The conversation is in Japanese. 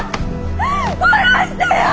殺してよ！